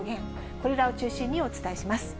これらを中心にお伝えします。